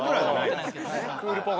クールポコ。